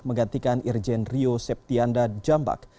menggantikan irjen rio septianda jambak